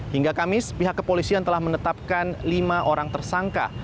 hingga kamis pihak kepolisian telah menetapkan lima orang tersangka